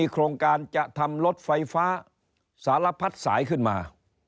โครงการจะทำรถไฟฟ้าสารพัดสายขึ้นมา